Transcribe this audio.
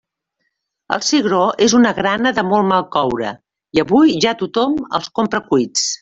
El cigró és una grana de molt mal coure i avui ja tothom els compra cuits.